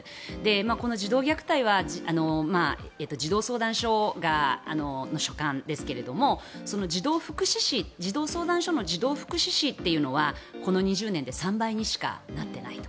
この児童虐待は児童相談所の所管ですがその児童福祉司、児童相談所の児童福祉司というのはこの２０年で３倍にしかなっていないと。